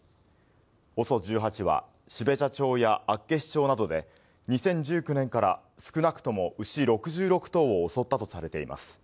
ＯＳＯ１８は、標茶町や厚岸町などで２０１９年から少なくとも牛６６頭を襲ったとされています。